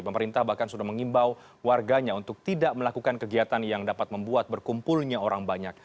pemerintah bahkan sudah mengimbau warganya untuk tidak melakukan kegiatan yang dapat membuat berkumpulnya orang banyak